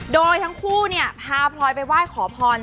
โดยทั้งคู่พาพลอยไปว่ายขอพร